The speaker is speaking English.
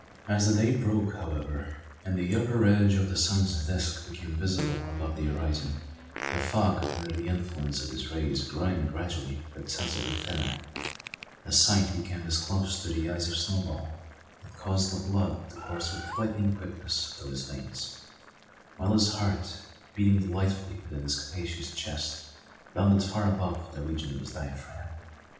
As the day broke, however, and the upper edge of the sun's disk became visible above the horizon, the fog under the influence of his rays growing gradually but sensibly thinner, a sight became disclosed to the eyes of Snowball that caused the blood to course with lightning quickness through his veins; while his heart, beating delightfully within his capacious chest, bounded far above the region of his diaphragm.